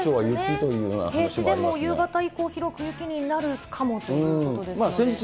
平地でも夕方以降、広く雪になるかもということですが。